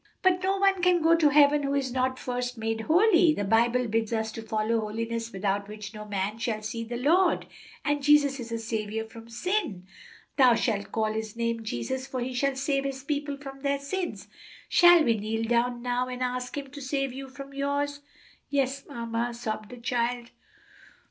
"But no one can go to heaven who is not first made holy. The Bible bids us follow 'holiness without which no man shall see the Lord.' And Jesus is a Saviour from sin. 'Thou shalt call His name Jesus, for He shall save His people from their sins.' Shall we kneel down now and ask Him to save you from yours?" "Yes, mamma," sobbed the child.